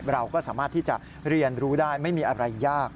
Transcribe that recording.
เราก็สามารถที่จะเรียนรู้ได้ไม่มีอะไรยาก